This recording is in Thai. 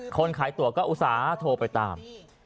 คนขายตัวก็อุตส่าห์โทรไปตาม